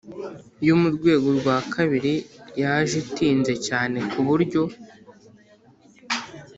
yo mu rwego rwa kabiri yaje itinze cyane ku buryo